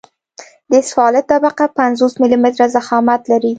د اسفالټ طبقه پنځوس ملي متره ضخامت لري